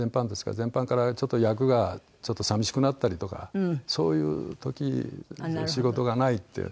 前半から役がちょっと寂しくなったりとかそういう時仕事がないっていう。